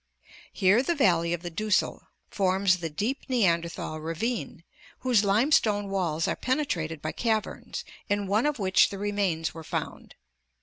Here the valley of the Dussel forms the deep Neanderthal ravine, whose limestone walls are penetrated by caverns, in one of which the remains were found.